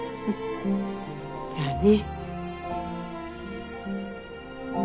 じゃあね。